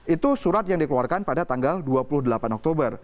itu surat yang dikeluarkan pada tanggal dua puluh delapan oktober